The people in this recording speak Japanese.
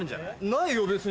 ないよ別に。